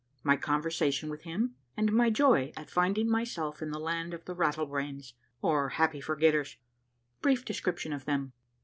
MY CONVERSATION WITH HIM, AND MY JOY AT FINDING MYSELF IN THE LAND OF THE RATTLEBRAINS, OR HAPPY FORGETTERS. — BRIEF DESCRIPTION OF THEM.